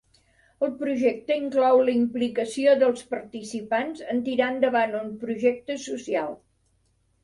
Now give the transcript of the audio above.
El projecte inclou la implicació dels participants en tirar endavant un projecte social.